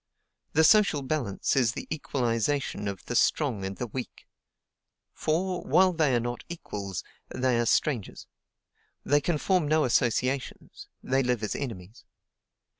The social balance is the equalization of the strong and the weak; for, while they are not equals, they are strangers; they can form no associations, they live as enemies.